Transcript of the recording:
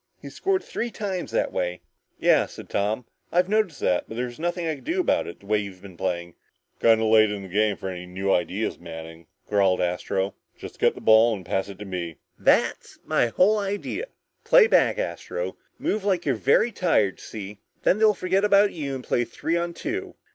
He's scored three times that way!" "Yeah," said Tom, "I noticed that, but there was nothing I could do about it, the way you've been playing." "Kinda late in the game for any new ideas, Manning," growled Astro. "Just get the ball and pass it to me." "That's my whole idea! Play back, Astro. Move like you're very tired, see? Then they'll forget about you and play three on two.